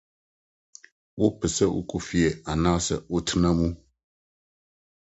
Wopɛ sɛ wokɔ fie anaasɛ wotra mu?